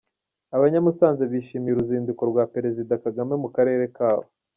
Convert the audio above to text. Abanyamusanze bishimiye uruzinduko rwa Perezida Kagame mu karere kabo.